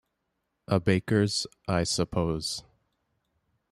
'A baker's, I suppose.